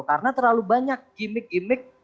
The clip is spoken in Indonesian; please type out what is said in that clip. karena terlalu banyak gimmick gimmick